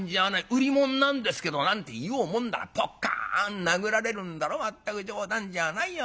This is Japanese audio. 『売り物なんですけど』なんて言おうもんならポッカン殴られるんだろまったく冗談じゃないよ